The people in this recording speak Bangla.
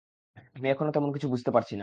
আমি এখনো তেমন কিছু বুঝতে পারছি না।